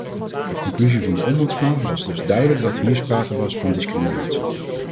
De conclusie van de ombudsman was dus duidelijk dat hier sprake was van discriminatie.